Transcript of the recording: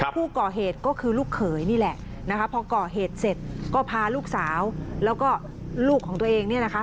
ผู้ก่อเหตุก็คือลูกเขยนี่แหละนะคะพอก่อเหตุเสร็จก็พาลูกสาวแล้วก็ลูกของตัวเองเนี่ยนะคะ